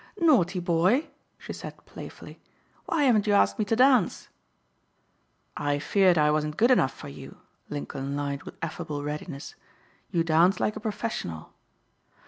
"Naughty boy," she said playfully. "Why haven't you asked me to dance?" "I feared I wasn't good enough for you," Lincoln lied with affable readiness. "You dance like a professional."